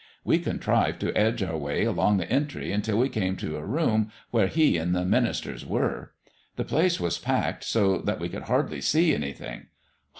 We contrived to edge our way along the entry until we came to a room where He and the ministers were. The place was packed so that we could hardly see anything.